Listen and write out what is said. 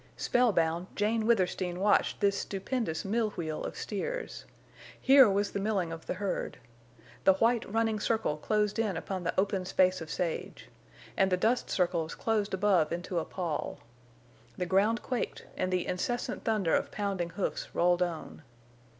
Spellbound, Jane Withersteen watched this stupendous millwheel of steers. Here was the milling of the herd. The white running circle closed in upon the open space of sage. And the dust circles closed above into a pall. The ground quaked and the incessant thunder of pounding hoofs rolled on.